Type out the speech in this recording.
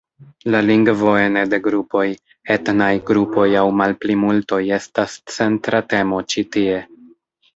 La lingvo ene de grupoj, etnaj grupoj aŭ malplimultoj estas centra temo ĉi tie.